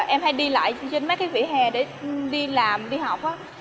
em hay đi lại trên mấy cái vỉa hè để đi làm đi học